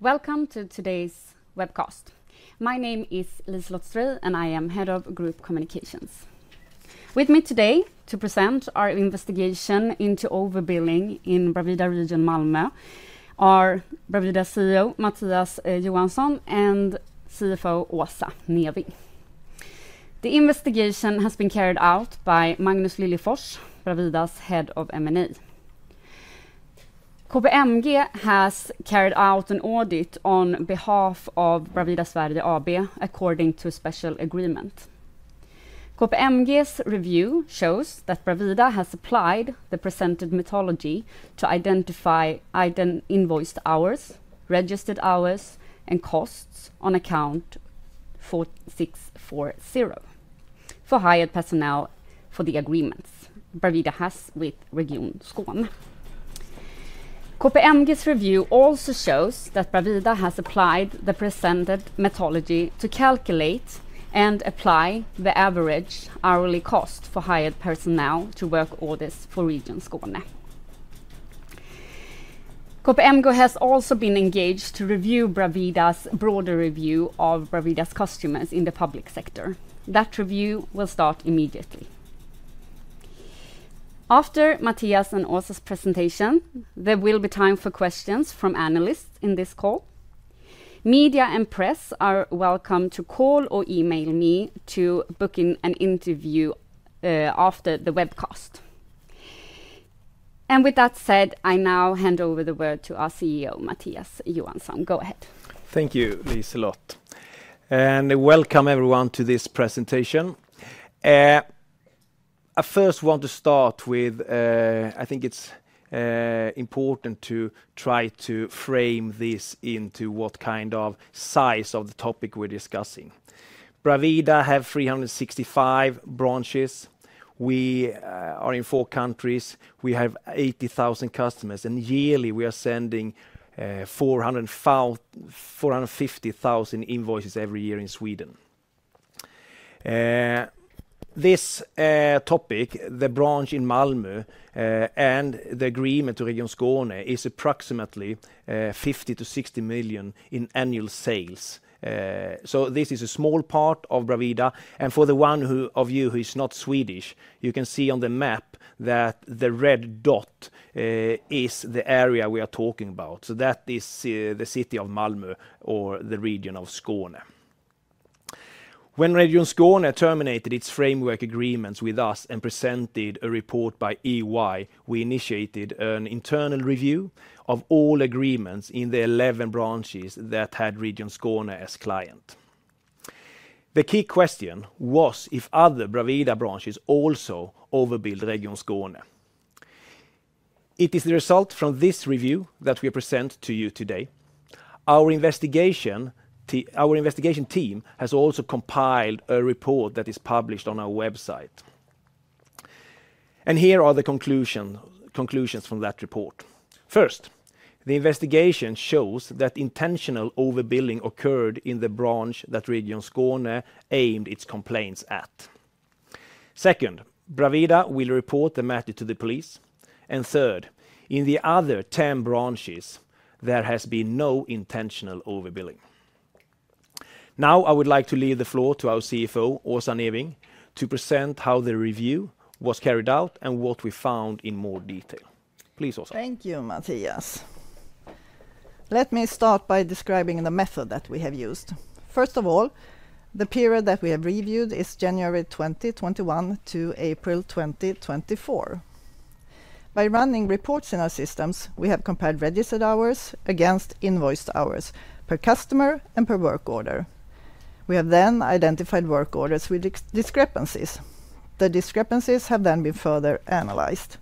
Welcome to today's webcast. My name is Liselotte Stray, and I am head of Group Communications. With me today to present our investigation into overbilling in Bravida Region Malmö are Bravida CEO Mattias Johansson and CFO Åsa Neving. The investigation has been carried out by Magnus Liljefors, Bravida's head of M&A. KPMG has carried out an audit on behalf of Bravida Sverige AB according to a special agreement. KPMG's review shows that Bravida has supplied the presented methodology to identify invoiced hours, registered hours, and costs on account 4640 for hired personnel for the agreements Bravida has with Region Skåne. KPMG's review also shows that Bravida has supplied the presented methodology to calculate and apply the average hourly cost for hired personnel to work orders for Region Skåne. KPMG has also been engaged to review Bravida's broader review of Bravida's customers in the public sector. That review will start immediately. After Mattias and Åsa's presentation, there will be time for questions from analysts in this call. Media and press are welcome to call or email me to book in an interview after the webcast. With that said, I now hand over the word to our CEO Mattias Johansson. Go ahead. Thank you, Liselotte. Welcome everyone to this presentation. I first want to start with I think it's important to try to frame this into what kind of size of the topic we're discussing. Bravida has 365 branches. We are in four countries. We have 80,000 customers. Yearly we are sending 450,000 invoices every year in Sweden. This topic, the branch in Malmö, and the agreement to Region Skåne is approximately 50 million-60 million in annual sales. This is a small part of Bravida. For the one of you who is not Swedish, you can see on the map that the red dot is the area we are talking about. That is the city of Malmö or the region of Skåne. When Region Skåne terminated its framework agreements with us and presented a report by EY, we initiated an internal review of all agreements in the 11 branches that had Region Skåne as client. The key question was if other Bravida branches also overbilled Region Skåne. It is the result from this review that we present to you today. Our investigation team has also compiled a report that is published on our website. Here are the conclusions from that report. First, the investigation shows that intentional overbilling occurred in the branch that Region Skåne aimed its complaints at. Second, Bravida will report the matter to the police. Third, in the other 10 branches, there has been no intentional overbilling. Now I would like to leave the floor to our CFO Åsa Neving to present how the review was carried out and what we found in more detail. Please, Åsa. Thank you, Mattias. Let me start by describing the method that we have used. First of all, the period that we have reviewed is January 2021 to April 2024. By running reports in our systems, we have compared registered hours against invoiced hours per customer and per work order. We have then identified work orders with discrepancies. The discrepancies have then been further analyzed.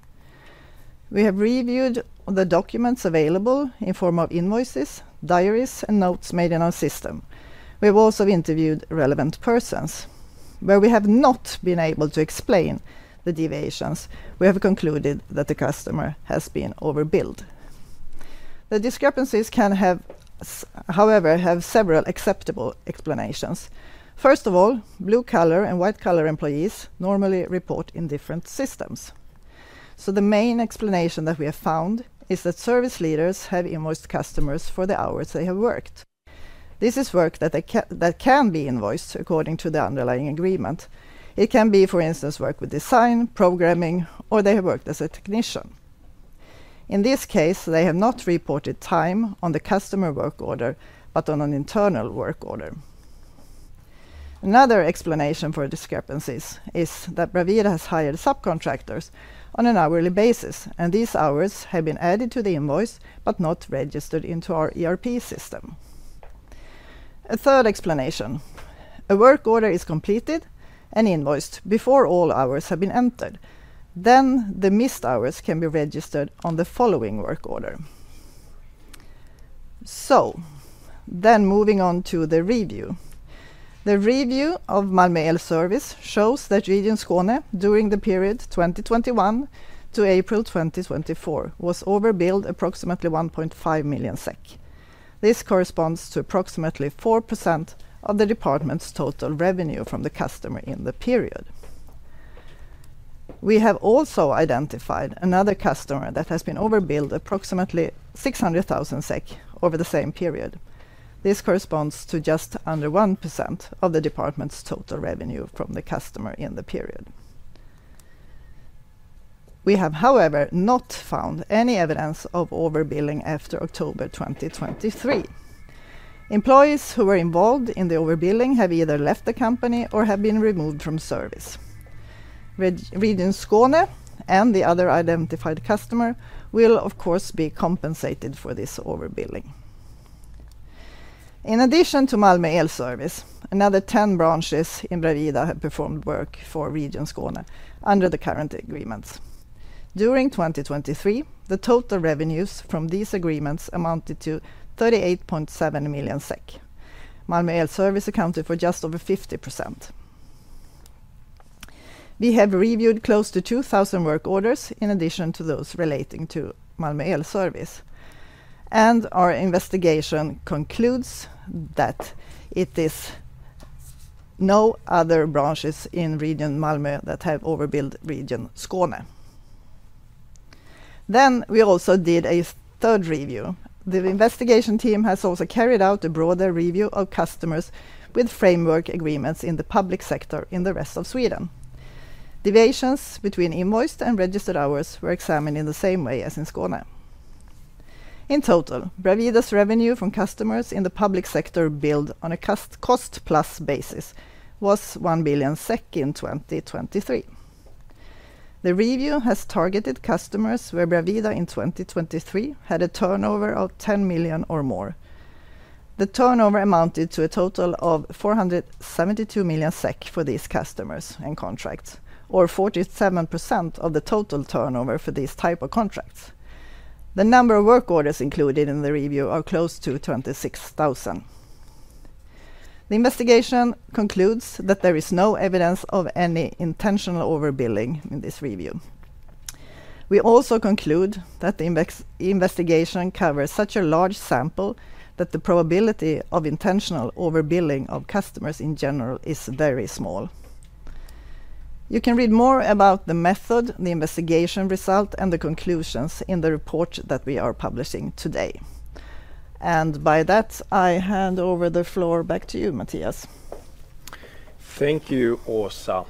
We have reviewed the documents available in form of invoices, diaries, and notes made in our system. We have also interviewed relevant persons. Where we have not been able to explain the deviations, we have concluded that the customer has been overbilled. The discrepancies, however, have several acceptable explanations. First of all, blue-collar and white-collar employees normally report in different systems. So the main explanation that we have found is that service leaders have invoiced customers for the hours they have worked. This is work that can be invoiced according to the underlying agreement. It can be, for instance, work with design, programming, or they have worked as a technician. In this case, they have not reported time on the customer work order but on an internal work order. Another explanation for discrepancies is that Bravida has hired subcontractors on an hourly basis, and these hours have been added to the invoice but not registered into our ERP system. A third explanation: a work order is completed and invoiced before all hours have been entered. Then the missed hours can be registered on the following work order. Moving on to the review. The review of Malmö Elservice shows that Region Skåne during the period 2021 to April 2024 was overbilled approximately 1.5 million SEK. This corresponds to approximately 4% of the department's total revenue from the customer in the period. We have also identified another customer that has been overbilled approximately 600,000 SEK over the same period. This corresponds to just under 1% of the department's total revenue from the customer in the period. We have, however, not found any evidence of overbilling after October 2023. Employees who were involved in the overbilling have either left the company or have been removed from service. Region Skåne and the other identified customer will, of course, be compensated for this overbilling. In addition to Malmö Elservice, another 10 branches in Bravida have performed work for Region Skåne under the current agreements. During 2023, the total revenues from these agreements amounted to 38.7 million SEK. Malmö Elservice accounted for just over 50%. We have reviewed close to 2,000 work orders in addition to those relating to Malmö Elservice. Our investigation concludes that it is no other branches in Region Malmö that have overbilled Region Skåne. We also did a third review. The investigation team has also carried out a broader review of customers with framework agreements in the public sector in the rest of Sweden. Deviations between invoiced and registered hours were examined in the same way as in Skåne. In total, Bravida's revenue from customers in the public sector billed on a cost-plus basis was 1 billion SEK in 2023. The review has targeted customers where Bravida in 2023 had a turnover of 10 million or more. The turnover amounted to a total of 472 million SEK for these customers and contracts, or 47% of the total turnover for these type of contracts. The number of work orders included in the review are close to 26,000. The investigation concludes that there is no evidence of any intentional overbilling in this review. We also conclude that the investigation covers such a large sample that the probability of intentional overbilling of customers in general is very small. You can read more about the method, the investigation result, and the conclusions in the report that we are publishing today. By that, I hand over the floor back to you, Mattias. Thank you, Åsa.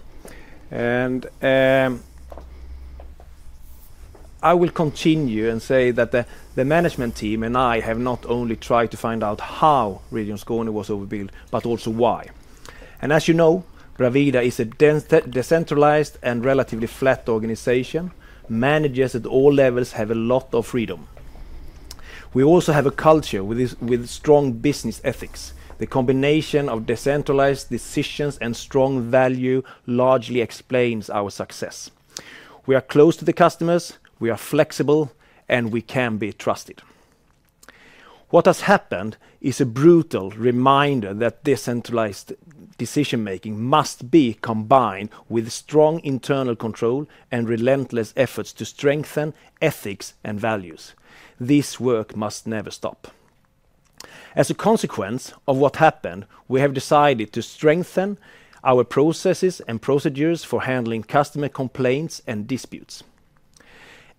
I will continue and say that the management team and I have not only tried to find out how Region Skåne was overbilled but also why. As you know, Bravida is a decentralized and relatively flat organization. Managers at all levels have a lot of freedom. We also have a culture with strong business ethics. The combination of decentralized decisions and strong value largely explains our success. We are close to the customers. We are flexible, and we can be trusted. What has happened is a brutal reminder that decentralized decision-making must be combined with strong internal control and relentless efforts to strengthen ethics and values. This work must never stop. As a consequence of what happened, we have decided to strengthen our processes and procedures for handling customer complaints and disputes.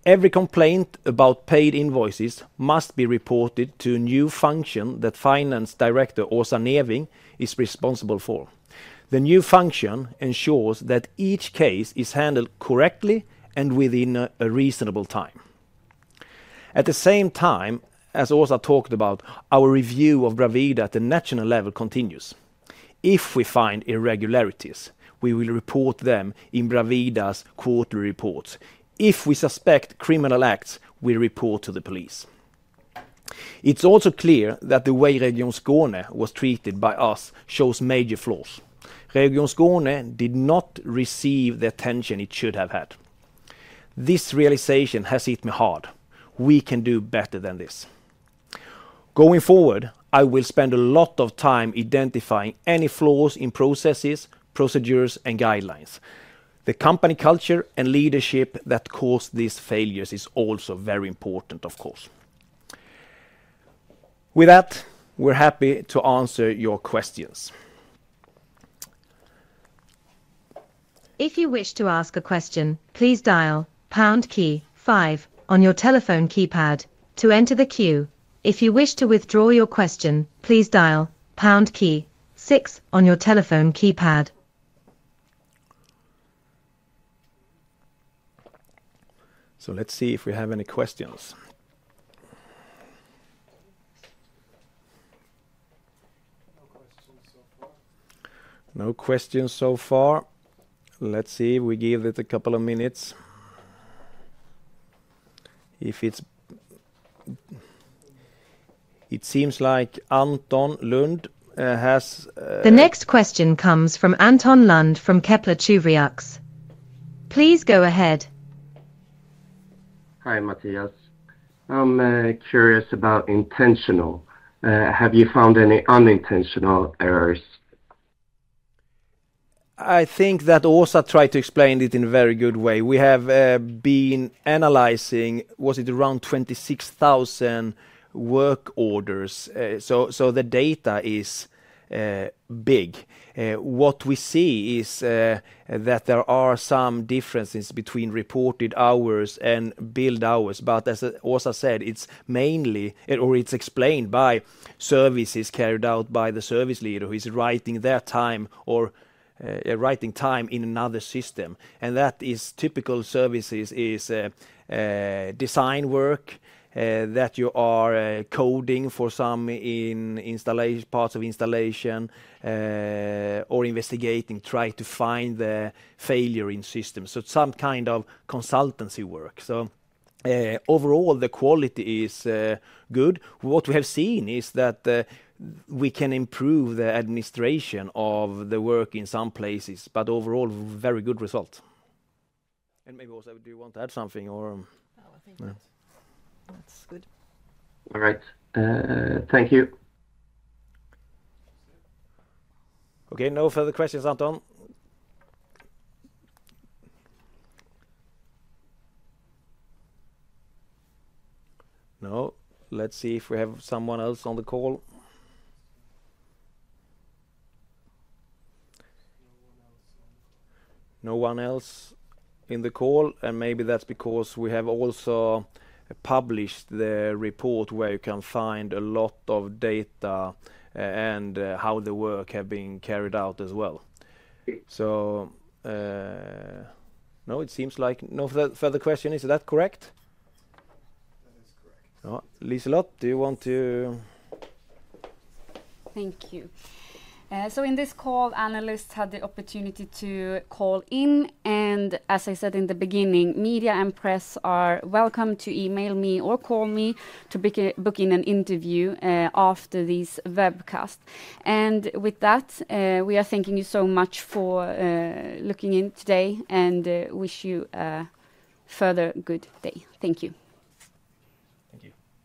Every complaint about paid invoices must be reported to a new function that Finance Director Åsa Neving is responsible for. The new function ensures that each case is handled correctly and within a reasonable time. At the same time as Åsa talked about, our review of Bravida at the national level continues. If we find irregularities, we will report them in Bravida's quarterly reports. If we suspect criminal acts, we report to the police. It's also clear that the way Region Skåne was treated by us shows major flaws. Region Skåne did not receive the attention it should have had. This realization has hit me hard. We can do better than this. Going forward, I will spend a lot of time identifying any flaws in processes, procedures, and guidelines. The company culture and leadership that caused these failures is also very important, of course. With that, we're happy to answer your questions. If you wish to ask a question, please dial pound key five on your telephone keypad to enter the queue. If you wish to withdraw your question, please dial pound key six on your telephone keypad. Let's see if we have any questions. No questions so far. Let's see. We give it a couple of minutes. It seems like Anton Lund has. The next question comes from Anton Lund from Kepler Cheuvreux. Please go ahead. Hi, Mattias. I'm curious about intentional. Have you found any unintentional errors? I think that Åsa tried to explain it in a very good way. We have been analyzing, was it around 26,000 work orders. So the data is big. What we see is that there are some differences between reported hours and billed hours. But as Åsa said, it's mainly or it's explained by services carried out by the service leader who is writing their time or writing time in another system. And that is typical services is design work that you are coding for some parts of installation or investigating, trying to find the failure in systems. So some kind of consultancy work. So overall, the quality is good. What we have seen is that we can improve the administration of the work in some places. But overall, very good result. And maybe, Åsa, do you want to add something or? No, I think that's good. All right. Thank you. Okay. No further questions, Anton. No. Let's see if we have someone else on the call. No one else in the call. Maybe that's because we have also published the report where you can find a lot of data and how the work has been carried out as well. No, it seems like no further question. Is that correct? Liselotte, do you want to? Thank you. So in this call, analysts had the opportunity to call in. And as I said in the beginning, media and press are welcome to email me or call me to book in an interview after this webcast. And with that, we are thanking you so much for looking in today and wish you a further good day. Thank you. Thank you.